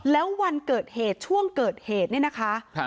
แล้ววันเกิดเหตุช่วงเกิดเหตุเนี่ยนะคะ